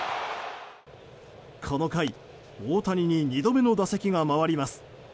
この回、大谷に２度目の打席が回ります。